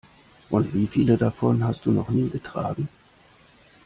Und wie viele davon hast du noch nie getragen?